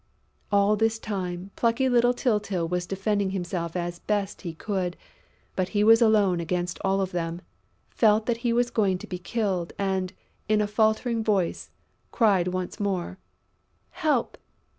All this time, plucky little Tyltyl was defending himself as best he could, but he was alone against all of them, felt that he was going to be killed and, in a faltering voice, cried once more: "Help!...